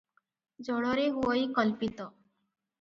ଜଳରେ ହୁଅଇ କଳ୍ପିତ ।